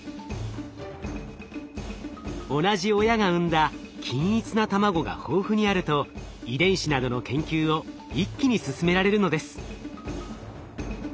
同じ親が産んだ均一な卵が豊富にあると遺伝子などの研究を一気に進められるのです。